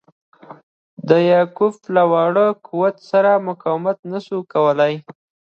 د یعقوب له واړه قوت سره مقاومت نه سو کولای.